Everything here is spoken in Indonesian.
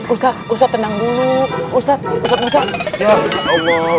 ustaz ustaz tenang dulu